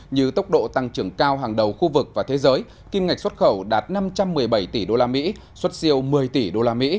như tốc độ tăng trưởng cao hàng đầu khu vực và thế giới kim ngạch xuất khẩu đạt năm trăm một mươi bảy tỷ usd xuất siêu một mươi tỷ usd